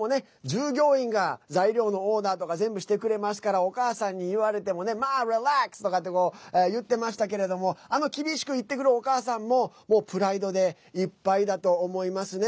従業員が材料のオーダーとか全部してくれますからお母さんに言われてもねｍａａｒｅｌａｘ！とかって言ってましたけれどもあの厳しく言ってくるお母さんもプライドでいっぱいだと思いますね。